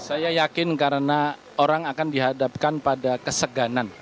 saya yakin karena orang akan dihadapkan pada keseganan